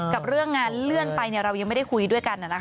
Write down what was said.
กับเรื่องงานเลื่อนไปเรายังไม่ได้คุยด้วยกัน